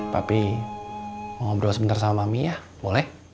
papi mau ngobrol sebentar sama mami ya boleh